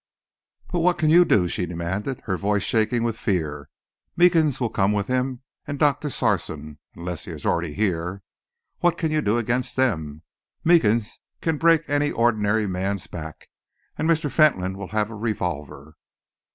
"But what can you do?" she demanded, her voice shaking with fear. "Meekins will come with him, and Doctor Sarson, unless he is here already. What can you do against them? Meekins can break any ordinary man's back, and Mr. Fentolin will have a revolver."